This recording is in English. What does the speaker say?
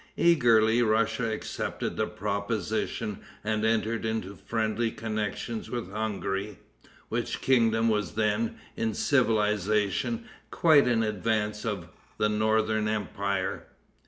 Eagerly Russia accepted the proposition, and entered into friendly connections with Hungary, which kingdom was then, in civilization, quite in advance of the northern empire.